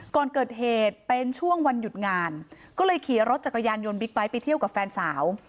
ก่อนเกิดเหตุเป็นช่วงวันหยุดงานก็เลยขี่รถจักรยานยนต์บิ๊กไบท์ไปเที่ยวกับแฟนสาว